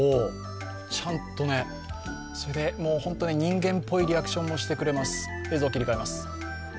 ちゃんとね、ホントに人間っぽいリアクションもしてくれます。